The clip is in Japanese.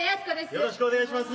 よろしくお願いします。